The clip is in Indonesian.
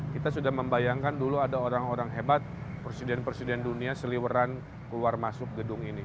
kita sudah membayangkan dulu ada orang orang hebat presiden presiden dunia seliweran keluar masuk gedung ini